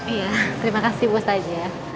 iya terima kasih bu ustadz